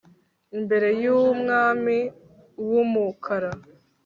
Imbere yUmwami uwumukara